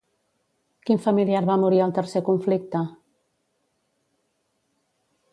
Quin familiar va morir al tercer conflicte?